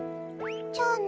じゃあね。